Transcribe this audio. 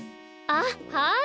あっはい。